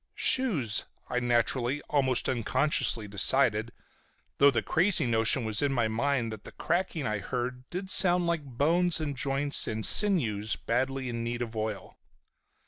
"Shoes," I naturally, almost unconsciously decided, though the crazy notion was in my mind that the cracking I heard did sound like bones and joints and sinews badly in need of oil.